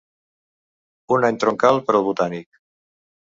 Un any troncal per al Botànic